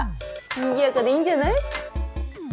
にぎやかでいいんじゃない？